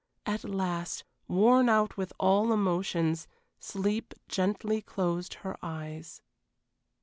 At last, worn out with all emotions, sleep gently closed her eyes.